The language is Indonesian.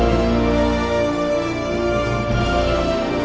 aku akan selalu mencintai kamu